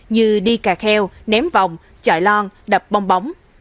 như đi cà kheo ném vòng chọi lon đập bong bóng